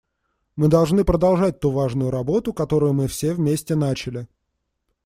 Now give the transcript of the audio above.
Мы должны продолжать ту важную работу, которую мы все вместе начали.